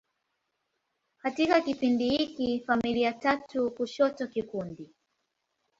Katika kipindi hiki, familia tatu kushoto kikundi.